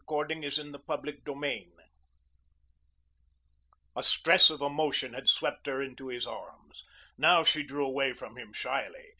CHAPTER XXVII TWO ON THE TRAIL A stress of emotion had swept her into his arms. Now she drew away from him shyly.